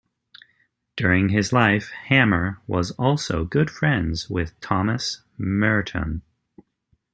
During his life, Hammer was also good friends with Thomas Merton.